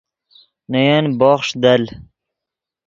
نے ین بوخݰ دل